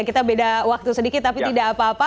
kita beda waktu sedikit tapi tidak apa apa